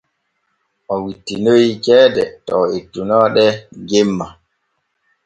O wittinoyii ceede to ettunoo ɗe jemma.